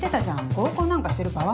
合コンなんかしてる場合？